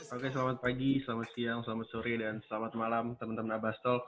oke selamat pagi selamat siang selamat sore dan selamat malam teman teman abastolf